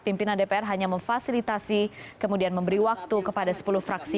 pimpinan dpr hanya memfasilitasi kemudian memberi waktu kepada sepuluh fraksi